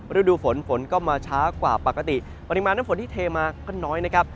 ฤดูฝนฝนก็มาช้ากว่าปกติปริมาณน้ำฝนที่เทมาก็น้อยนะครับ